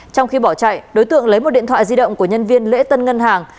trong khi bỏ chạy đối tượng lấy một điện thoại di động của nhân viên lễ tân ngân hàng